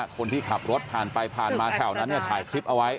คนที่ขับรถผ่านไปผ่านมาแถวนั้นเนี่ยถ่ายคลิปเอาไว้